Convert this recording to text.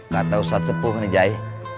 kata ustadz sepuh ini jai